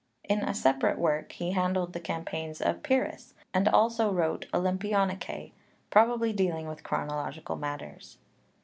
In a separate work he handled the campaigns of Pyrrhus, and also wrote Olympionikae, probably dealing with chronological matters.